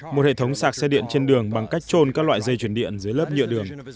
một hệ thống sạc xe điện trên đường bằng cách trôn các loại dây chuyển điện dưới lớp nhựa đường